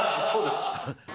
そうです。